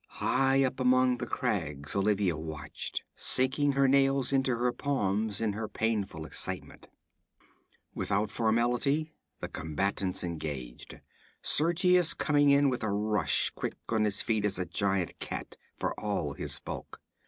High up among the crags Olivia watched, sinking her nails into her palms in her painful excitement. Without formality the combatants engaged, Sergius coming in with a rush, quick on his feet as a giant cat, for all his bulk.